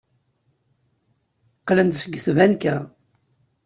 Qqlen-d seg tbanka.